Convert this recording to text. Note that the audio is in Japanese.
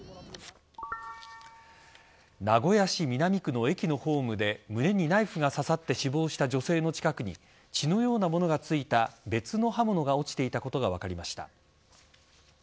名古屋市南区の駅のホームで胸にナイフが刺さって死亡した女性の近くに血のようなものがついた別の刃物が落ちていたことが分かりました。